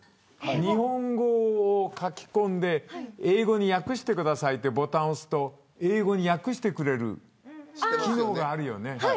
日本語を書き込んで英語に訳してくださいっていうボタンを押すと、英語に訳してくれる機能があるよね。